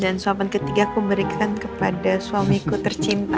dan sopan ketiga aku berikan kepada suamiku tercinta